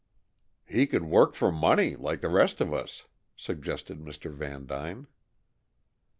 "He could work for money, like the rest of us," suggested Mr. Vandyne.